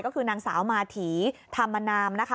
ก็คือนางสาวมาถีธรรมนามนะคะ